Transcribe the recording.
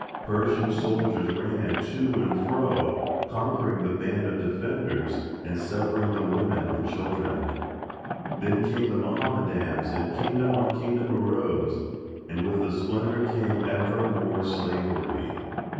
Persian soldiers ran to and fro conquering the band of defenders and severing the woman and children. Then came the Mohammedans and kingdom on kingdom arose, and with the splendor came ever more slavery.